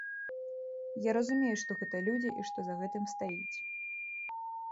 Я разумею, што гэта людзі і што за гэтым стаіць.